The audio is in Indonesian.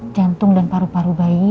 jantung dan paru paru bayi